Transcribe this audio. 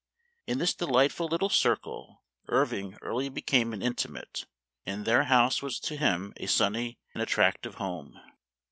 In this delight ful little circle Irving early became an intimate, and their house was to him a sunny and attract ive home.